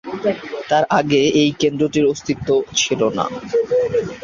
তার আগে এই কেন্দ্রটির অস্তিত্ব ছিল না।